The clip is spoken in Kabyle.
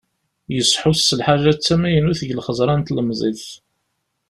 Yesḥus s lḥaǧa d tamaynut deg lxeẓra n tlemẓit.